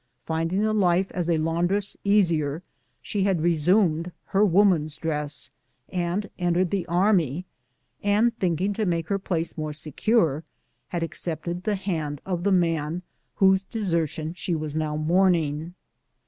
Finding the life as a laundress easier, she had resumed her w^oman's dress and entered the army, and thinking to make her place more secure, had accepted the hand of the man whose desertion she w\as now mourning.